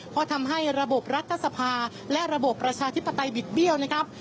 เพราะทำให้ระบบรัฐสภาและระบบประชาธิปไตยบิดเบี้ยวนะครับ